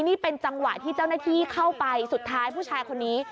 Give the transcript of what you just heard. นี่เป็นจังหวะที่เจ้าหน้าที่เข้าไปสุดท้ายผู้ชายคนนี้